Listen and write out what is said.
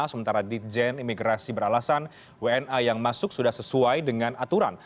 sementara ditjen imigrasi beralasan wna yang masuk sudah sesuai dengan aturan